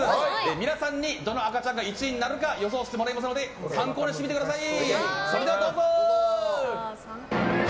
皆さんにどの赤ちゃんが１位になるか予想してもらいますので参考にしてみてください。